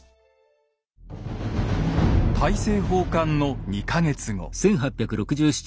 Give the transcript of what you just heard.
大政奉還の２か月後。